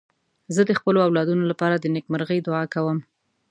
زه د خپلو اولادونو لپاره د نېکمرغۍ دعا کوم.